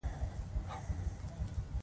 افغانستان په کلتور باندې تکیه لري.